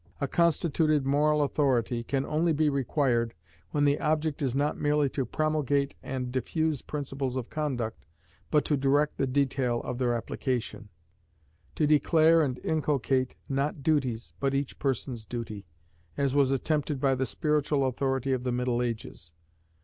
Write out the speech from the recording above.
A constituted moral authority can only be required when the object is not merely to promulgate and diffuse principles of conduct, but to direct the detail of their application; to declare and inculcate, not duties, but each person's duty, as was attempted by the spiritual authority of the middle ages.